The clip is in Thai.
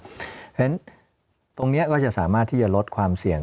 เพราะฉะนั้นตรงนี้ก็จะสามารถที่จะลดความเสี่ยง